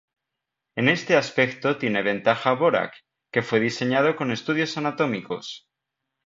En este aspecto tiene ventaja Dvorak, que fue diseñado con estudios anatómicos.